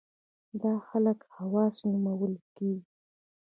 دا خلک خواص نومول کېږي.